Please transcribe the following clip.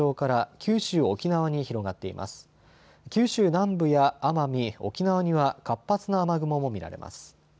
九州南部や奄美、沖縄には活発な雨雲も見られます。